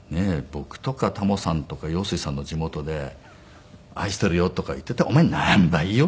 僕とかタモさんとか陽水さんの地元で「愛してるよ」とか言ってたら「お前なんば言いよっとか？」